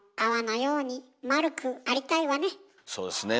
そうですね。